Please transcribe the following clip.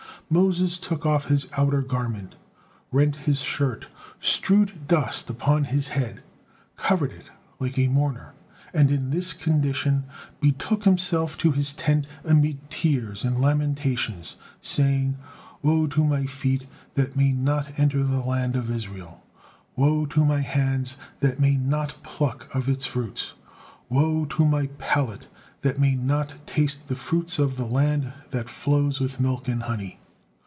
Moses took off his outer garment, rent his shirt, strewed dust upon his head, covered it like a mourner, and in this condition betook himself to his tent amid tears and lamentations, saying: "Woe to my feet that may not enter the land of Israel, woe to my hands that may not pluck of its fruits! Woe to my palate that may not taste the fruits of the land that flows with milk and honey!"